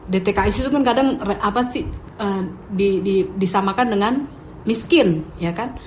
dtks itu kan kadang apa sih disamakan dengan miskin ya kan